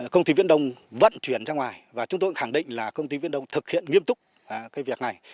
công ty viễn đông vận chuyển ra ngoài và chúng tôi khẳng định là công ty viễn đông thực hiện nghiêm túc việc này